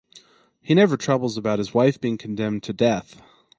He never troubles about his wife being condemned to death.